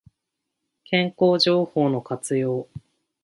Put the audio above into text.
健康情報の活用